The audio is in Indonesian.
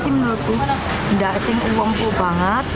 nggak sing uangku banget